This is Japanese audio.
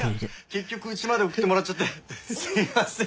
結局家まで送ってもらっちゃってすいません。